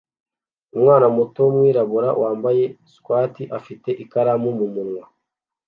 Umwana muto wumwirabura wambaye swater afite ikaramu mumunwa